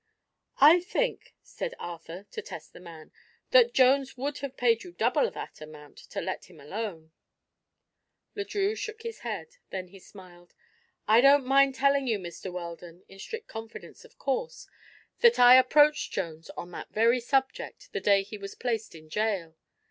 "I think," said Arthur, to test the man, "that Jones would have paid you double that amount to let him alone." Le Drieux shook his head; then he smiled. "I don't mind telling you, Mr. Weldon in strict confidence, of course that I approached Jones on that very subject, the day he was placed in jail.